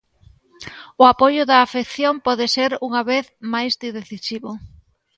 O apoio da afección pode ser unha vez máis decisivo.